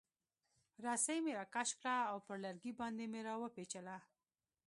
رسۍ مې راکش کړه او پر لرګي باندې مې را وپیچله.